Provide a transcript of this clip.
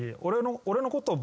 俺のことを。